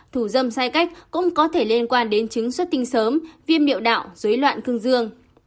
thủ dâm sai cách cũng có thể liên quan đến chứng xuất tinh sớm viêm miệng đạo dối loạn cương dương